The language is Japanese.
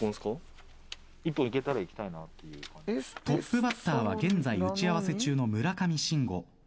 トップバッターは現在打ち合わせ中の村上信五。